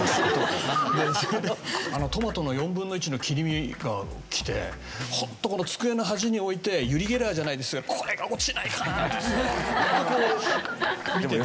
トマトの４分の１の切り身がきてホントこの机の端に置いてユリ・ゲラーじゃないですけどこれが落ちないかなって